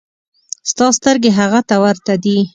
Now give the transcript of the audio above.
ستا سترګې هغه ته ورته دي.